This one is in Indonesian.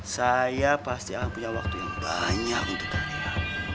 saya pasti akan punya waktu yang banyak untuk kalian